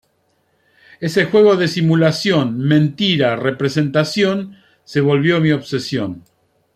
Ese juego de simulación, mentira, representación se volvió mi obsesión.